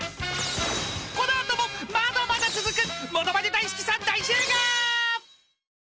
［この後もまだまだ続く］